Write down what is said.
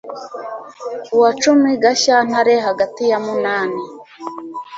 ku wa cumi gashyantare hagati ya munani